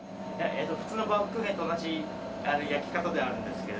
普通のバウムクーヘンと同じ焼き方ではあるんですけれど。